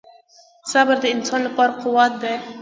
• صبر د انسان لپاره قوت دی.